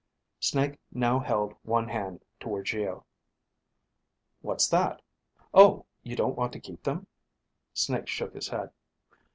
Snake now held one hand toward Geo. "What's that? Oh, you don't want to keep them?" Snake shook his head.